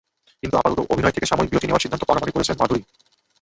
কিন্তু আপাতত অভিনয় থেকে সাময়িক বিরতি নেওয়ার সিদ্ধান্ত পাকাপাকি করেছেন মাধুরী।